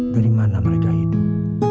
dari mana mereka hidup